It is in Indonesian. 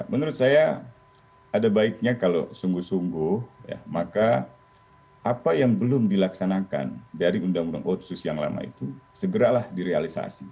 menurut saya ada baiknya kalau sungguh sungguh maka apa yang belum dilaksanakan dari undang undang otsus yang lama itu segeralah direalisasi